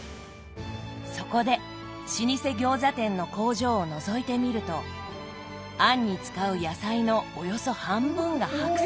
そこで老舗餃子店の工場をのぞいてみると餡に使う野菜のおよそ半分が白菜。